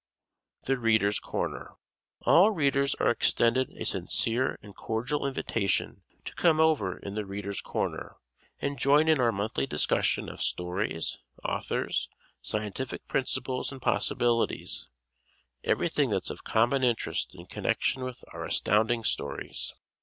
"The Readers' Corner" All Readers are extended a sincere and cordial invitation to "come over in 'The Readers' Corner'" and join in our monthly discussion of stories, authors, scientific principles and possibilities everything that's of common interest in connection with our Astounding Stories.